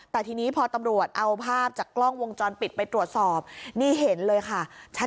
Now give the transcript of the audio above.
แต่ทีนี้พอตำรวจเอาภาพจากกล้องวงจรปิดไปตรวจสอบนี่เห็นเลยค่ะชัด